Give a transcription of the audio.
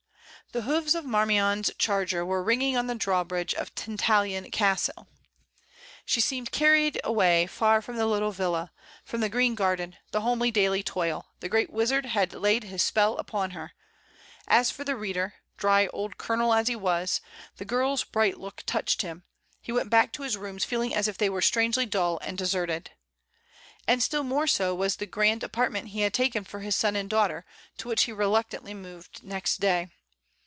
The hoofs of Marmion's charger were ringing on the drawbridge of Tan tallon Castle. She seemed carried away far from the little villa, from the green garden, the homely daily toil, the Great Wizard had laid his spell upon her; as for the reader, dry old colonel as he was, the girl's bright look touched him, he went back to his rooms feeling as if they were strangely dull and deserted. And still more so was the grand apart ment he had taken for his son and daughter, to which he reluctantly moved next day.